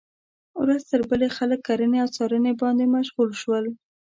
ورځ تر بلې خلک کرنې او څارنې باندې مشغول شول.